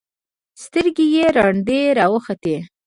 سترګې يې رډې راوختې.